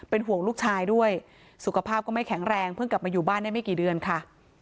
ห่วงลูกชายด้วยสุขภาพก็ไม่แข็งแรงเพิ่งกลับมาอยู่บ้านได้ไม่กี่เดือนค่ะ